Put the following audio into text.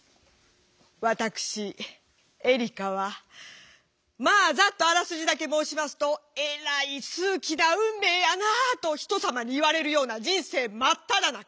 ワタクシエリカはまぁざっとあらすじだけ申しますとえらい数奇な運命やなぁと人様に言われるような人生真っただ中。